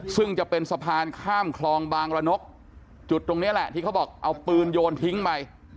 ซึ่งจะเป็นสะพานข้ามคลองบางระนกจุดตรงนี้แหละที่เขาบอกเอาปืนโยนทิ้งไป